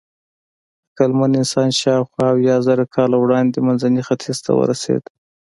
عقلمن انسان شاوخوا اویازره کاله وړاندې منځني ختیځ ته ورسېد.